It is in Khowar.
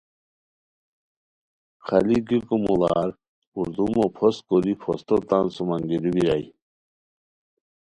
خالی گیکو موڑار پردومو پھوست کوری پھوستو تان سوم انگیرو بیرائے